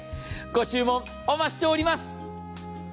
ご注文お待ちしております。